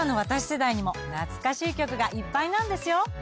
世代にも懐かしい曲がいっぱいなんですよ。